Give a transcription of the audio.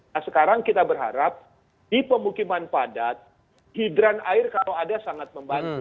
nah sekarang kita berharap di pemukiman padat hidran air kalau ada sangat membantu